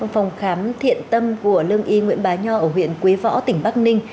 phòng khám thiện tâm của lương y nguyễn bá nho ở huyện quế võ tỉnh bắc ninh